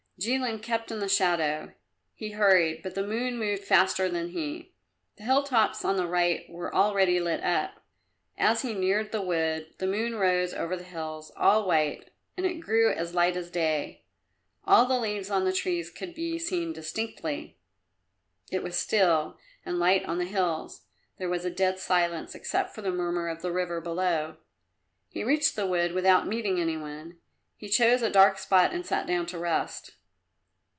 Jilin kept in the shadow. He hurried, but the moon moved faster than he; the hilltops on the right were already lit up. As he neared the wood, the moon rose over the hills, all white, and it grew as light as day. All the leaves on the trees could be seen distinctly. It was still and light on the hills; there was a dead silence, except for the murmur of the river below. He reached the wood without meeting any one. He chose a dark spot and sat down to rest.